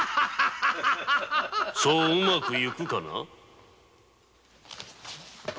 ・そううまく行くかな。